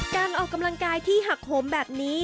การออกกำลังกายที่หักโหมแบบนี้